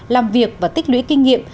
làm việc và tích lưỡi kinh nghiệm